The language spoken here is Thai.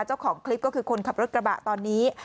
เจ้าของคลิปก็คือคนขับรถกระบะตอนนี้